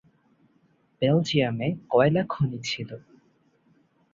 বেলজিয়ামে কয়লা খনি ছিল।